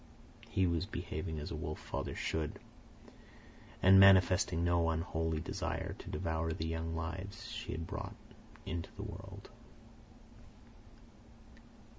He was behaving as a wolf father should, and manifesting no unholy desire to devour the young lives she had brought into the world.